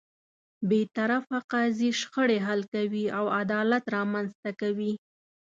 بېطرفه قاضی شخړې حل کوي او عدالت رامنځته کوي.